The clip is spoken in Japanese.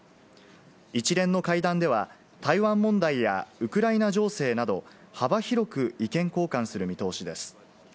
一連の会談では台湾問題やウクライナ情勢など幅広く意見交換する見通しです。